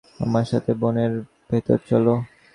আমার সাথে বনের ভেতর চলো।